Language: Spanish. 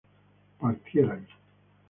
partierais